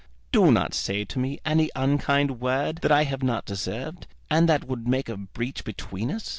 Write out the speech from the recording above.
Do not say to me any unkind word that I have not deserved, and that would make a breach between us.